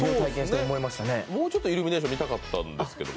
もうちょっとイルミネーション見たかったんですけれども。